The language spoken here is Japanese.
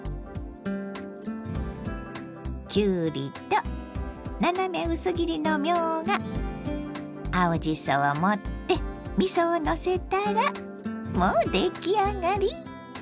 きゅうりと斜め薄切りのみょうが青じそを盛ってみそをのせたらもう出来上がり！